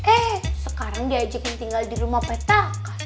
eh sekarang diajakin tinggal di rumah peta